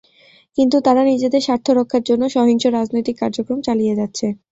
কিন্তু তারা নিজেদের স্বার্থ রক্ষার জন্য সহিংস রাজনৈতিক কার্যক্রম চালিয়ে যাচ্ছে।